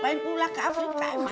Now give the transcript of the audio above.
ih ngapain pula ke afrika